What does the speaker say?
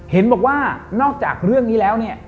เห็นบอกว่านอกจากเรื่องนี้แล้วเนี่ย